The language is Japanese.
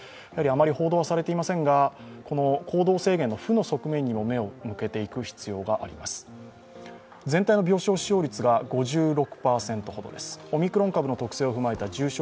あまり報道はされていませんが、行動制限の負の側面にも目を向けていく必要があります。